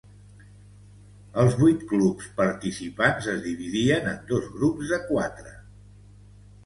Els vuit clubs participants es dividien en dos grups de quatre.